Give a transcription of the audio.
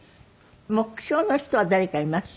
目標の人は誰かいます？